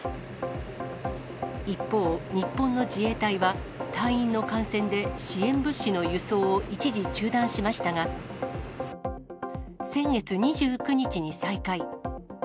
一方、日本の自衛隊は、隊員の感染で支援物資の輸送を一時中断しましたが、先月２９日に再開。